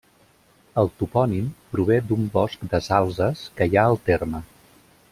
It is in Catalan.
El topònim prové d'un bosc de salzes que hi ha al terme.